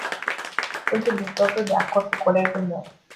Sunt întru totul de acord cu colegul meu.